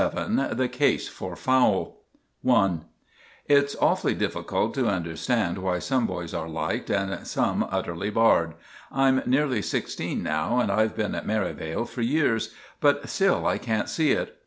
VII* *THE CASE FOR FOWLE* *I* It's awful difficult to understand why some boys are liked and some utterly barred. I'm nearly sixteen now, and I've been at Merivale for years, but still I can't see it.